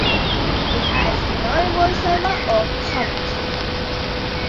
It has no voiceover or commentary.